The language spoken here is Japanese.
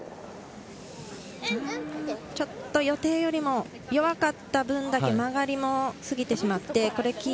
ちょっと予定よりも弱かった分だけ曲がりも過ぎてしまった。